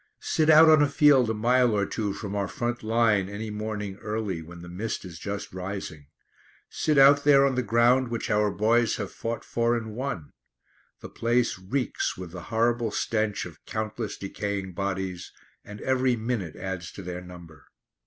Sit out on a field a mile or two from our front line any morning early, when the mist is just rising. Sit out there on the ground which our boys have fought for and won. The place reeks with the horrible stench of countless decaying bodies, and every minute adds to their number.